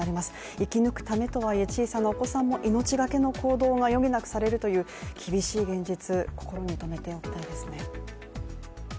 生き抜くためとはいえ小さなお子さんも命がけの行動が余儀なくされるという厳しい現実、心に留めておきたいですね。